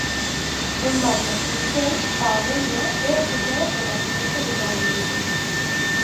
En varias relixións a améndoa é asociada co nacemento dunha virxe.